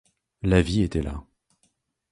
La vie était là.